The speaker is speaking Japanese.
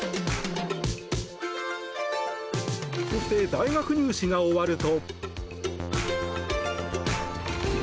そして、大学入試が終わると。